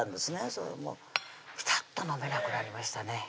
それもピタッと飲めなくなりましたね